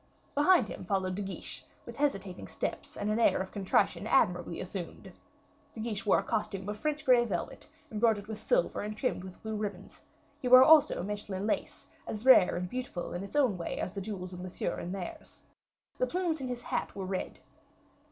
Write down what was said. Behind him followed De Guiche, with hesitating steps and an air of contrition admirably assumed; De Guiche wore a costume of French gray velvet, embroidered with silver, and trimmed with blue ribbons: he wore also Mechlin lace as rare and beautiful in its own way as the jewels of Monsieur in theirs. The plume in his hat was red.